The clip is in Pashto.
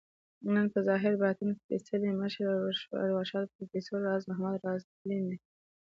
نن په ظاهر ، باطن سپیڅلي مشر، ارواښاد پروفیسر راز محمد راز تلين دی